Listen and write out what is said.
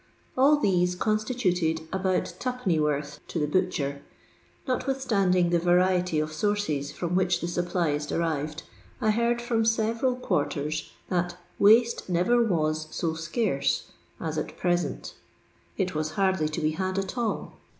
All these constituted about twopennyworth to the butcher. Notwith standing the variety of sources from which the supply is derived, I heard from several quarters that " waste never was so scarce " as at present ; it was hardly to be had at all.